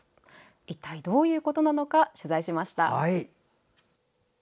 一体どういうことなのか取材しました。